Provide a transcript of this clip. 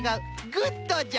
グッドじゃ！